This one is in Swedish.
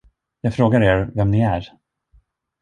Jag frågar er, vem ni är.